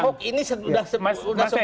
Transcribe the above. ahok ini sudah sempurna